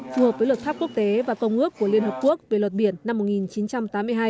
phù hợp với luật pháp quốc tế và công ước của liên hợp quốc về luật biển năm một nghìn chín trăm tám mươi hai